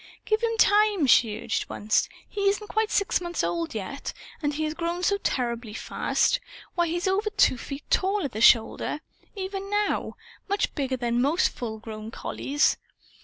"Give him time!" she urged once. "He isn't quite six months old yet; and he has grown so terribly fast. Why, he's over two feet tall, at the shoulder, even now much bigger than most full grown collies.